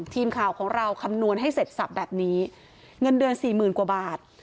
ทีมข่าวของเราคำนวณให้เสร็จสับแบบนี้เงินเดือนสี่หมื่นกว่าบาท